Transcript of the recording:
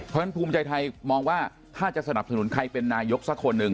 เพราะฉะนั้นภูมิใจไทยมองว่าถ้าจะสนับสนุนใครเป็นนายกสักคนหนึ่ง